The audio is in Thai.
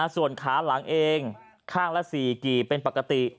ส่วนขาหลังเองข้างละ๔กี่เป็นปกติ